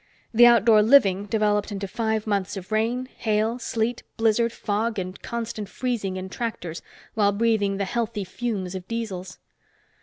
The outdoor living developed into five months of rain, hail, sleet, blizzard, fog and constant freezing in tractors while breathing the healthy fumes of diesels.